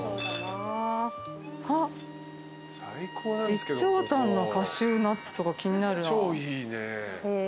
備長炭のカシューナッツとか気になるな。